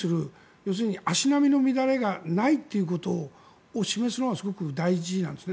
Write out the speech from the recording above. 要するに足並みの乱れがないということを示すのが大事なんですね。